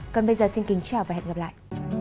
còn bây giờ xin kính chào và hẹn gặp lại